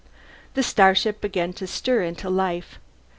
_ The starship began to stir into life.